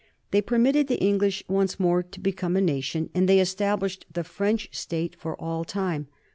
They permitted the English once more to become a nation, and they established the French state for all time."